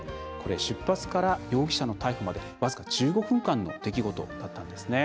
出発から容疑者の逮捕まで僅か１５分間の出来事だったんですね。